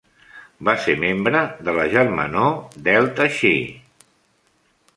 Va ser membre de la germanor Delta Chi.